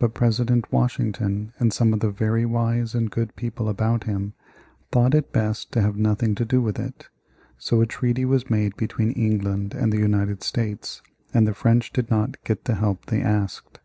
But President Washington and some of the very wise and good people about him thought it best to have nothing to do with it. So a treaty was made between England and the United States, and the French did not get the help they asked.